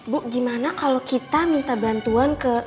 bu gimana kalau kita minta bantuan ke